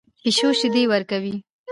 پیشو شیدې ورکوي